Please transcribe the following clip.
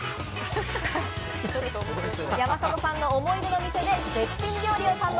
山里さん、思い出の店で絶品料理を堪能。